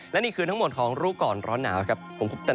และนี่คือทั้งหมดของรู้ก่อนร้อนหนาวครับผมคุปต